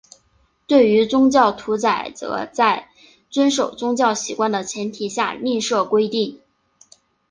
对于宗教屠宰则在遵守宗教习惯的前提下另设规定。